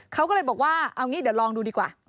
เขาก็เลยบอกว่าเอางี้เดี๋ยวลองดูดีกว่า